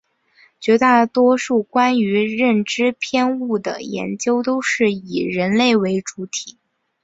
绝大多数关于认知偏误的研究都是以人类为主体。